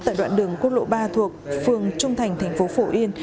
tại đoạn đường quốc lộ ba thuộc phường trung thành thành phố phổ yên